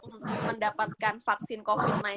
untuk mendapatkan vaksin covid sembilan belas